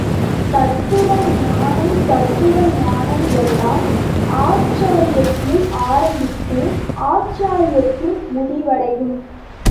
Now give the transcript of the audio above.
தத்துவ ஞானம் தத்துவ ஞானம் எல்லாம் ஆச்சரியத்தில் ஆரம்பித்து, ஆச்சரியத்தில் முடிவடையும்.